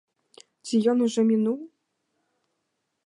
Ці ён ужо мінуў?